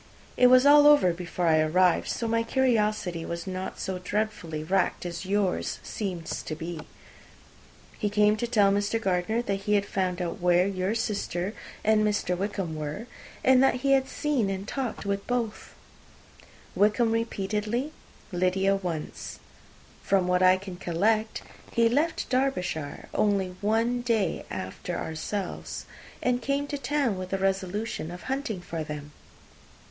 It was all over before I arrived; so my curiosity was not so dreadfully racked as yours seems to have been. He came to tell Mr. Gardiner that he had found out where your sister and Mr. Wickham were, and that he had seen and talked with them both Wickham repeatedly, Lydia once. From what I can collect, he left Derbyshire only one day after ourselves, and came to town with the resolution of hunting for them.